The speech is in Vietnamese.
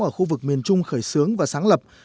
ở khu vực miền trung khởi xướng và sáng lập